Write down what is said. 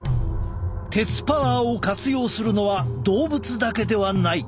鉄パワーを活用するのは動物だけではない。